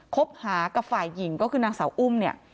คบหากับฝ่ายหญิงก็คือนางสาวอุ้มเนี่ย